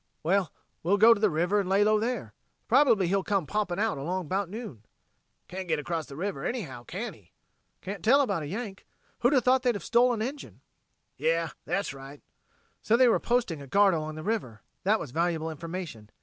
"Well, we'll go to the river an' lay low there. Probably he'll come popping out along 'bout noon." "Can't get across the river, anyhow, can he!" "Can't tell about a Yank. Who'd have thought they'd have stole an engine!" "Yeh, that's right...." So they were posting a guard along the river! That was valuable information.